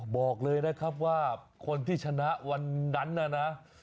บอกเลยนะครับว่าคนที่ชนะวันนั้นน่ะนะ